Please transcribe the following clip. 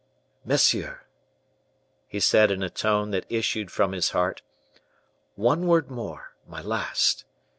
"Monsieur," he said, in a tone that issued from his heart, "one word more, my last.